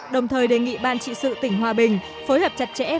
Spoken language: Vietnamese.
đồng thời đề nghị ban trị sự tỉnh hòa bình phối hợp chặt chẽ